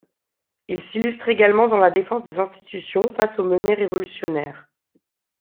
Il s’illustre également dans la défense des institutions face aux menées révolutionnaires.